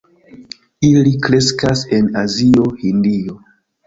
Ili kreskas en Azio, Hindio.